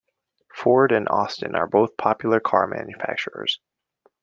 Ford and Austin are both popular car manufacturers.